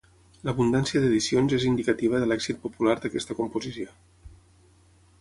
L'abundància d'edicions és indicativa de l'èxit popular d'aquesta composició.